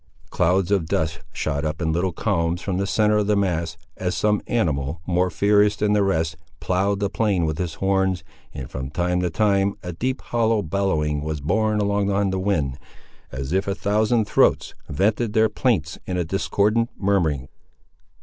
Clouds of dust shot up in little columns from the centre of the mass, as some animal, more furious than the rest, ploughed the plain with his horns, and, from time to time, a deep hollow bellowing was borne along on the wind, as if a thousand throats vented their plaints in a discordant murmuring.